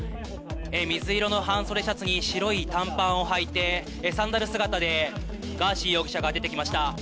水色の半袖シャツに白い短パンをはいてサンダル姿でガーシー容疑者が出てきました。